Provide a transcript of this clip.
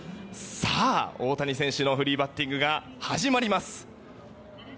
大谷選手のフリーバッティングが始まります！